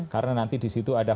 karena nanti di situ ada